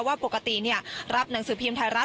ว่าปกติรับหนังสือพิมพ์ไทยรัฐ